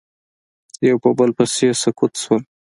یو په بل پسې سقوط شول